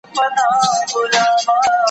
زه به سبا د سبا لپاره د يادښتونه ترتيب کوم!